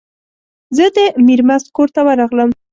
زه د میرمست کور ته ورغلم.